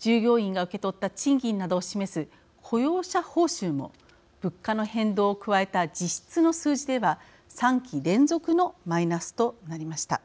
従業員が受け取った賃金などを示す雇用者報酬も物価の変動を加えた実質の数字では３期連続のマイナスとなりました。